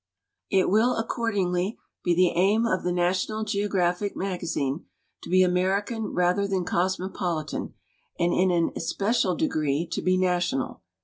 It will accordingly 2 IXTRODUCTOR Y be the aim of the National Geographic Magazine to he American rather than cosmopolitan, and in an especial degree to be National.